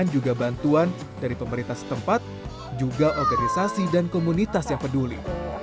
dan juga bantuan dari pemerintah setempat juga organisasi dan komunitas yang peduli